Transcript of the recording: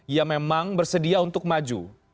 ia memang bersedia untuk maju